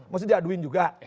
maksudnya diaduin juga